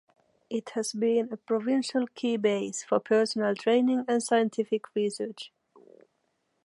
It has been a Provincial Key Base for Personnel Training and Scientific Research.